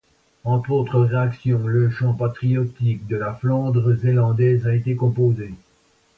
Entre autres réactions, le chant patriotique de la Flandre zélandaise a été composé.